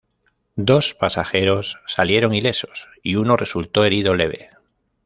Dos pasajeros salieron ilesos y uno resultó herido leve.